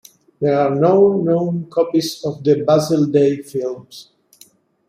There are no known copies of the Buzzell-Day films.